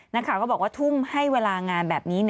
นักข่าวก็บอกว่าทุ่มให้เวลางานแบบนี้